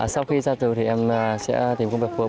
sau khi ra tử thì em sẽ tìm công việc vừa bản